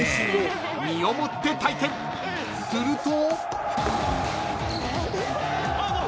［すると］